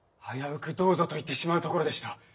危うく「どうぞ」と言ってしまうところでした。